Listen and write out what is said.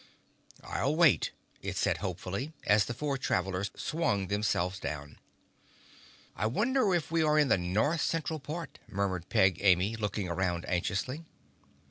"I'll wait," it said hopefully, as the four travelers swung themselves down. "I wonder if we are in the North Central part," murmured Peg Amy, looking around anxiously.